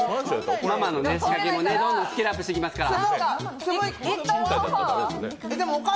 ママの仕掛けもどんどんスキルアップしていきますから。